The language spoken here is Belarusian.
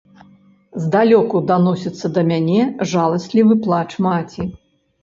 Здалёку даносіцца да мяне жаласлівы плач маці.